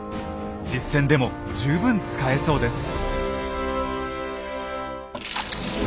実戦でも十分使えそうです。